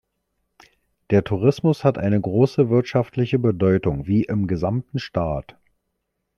Der Tourismus hat eine große wirtschaftliche Bedeutung wie im gesamten Staat.